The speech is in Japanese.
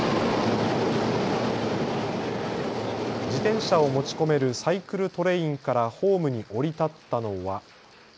自転車を持ち込めるサイクルトレインからホームに降り立ったのは。